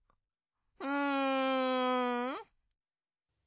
うん。